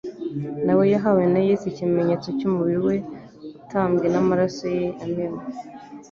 Na we yahawe na Yesu ikimenyetso cy'umubiri we utambwe n'amaraso ye yamenwe.